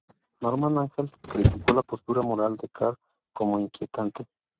Norman Angell criticó la postura moral de Carr como "inquietante".